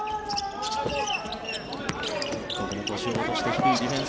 腰を落として低いディフェンス。